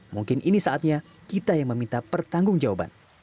mungkin ini saatnya kita yang meminta pertanggung jawaban